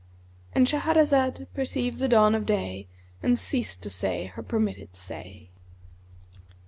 '"— And Shahrazad perceived the dawn of day and ceased to say her permitted say.